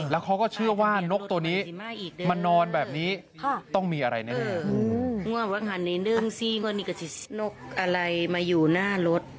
แล้วเขาก็เชื่อว่านกตัวนี้มานอนแบบนี้ต้องมีอะไรในตัวนี้